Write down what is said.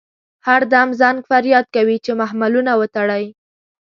هر دم زنګ فریاد کوي چې محملونه وتړئ.